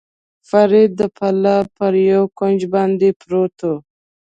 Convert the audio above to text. فرید د پله پر یوه کونج باندې پروت و.